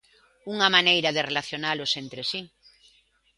Unha maneira de relacionalos entre si.